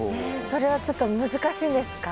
それはちょっと難しいんですか？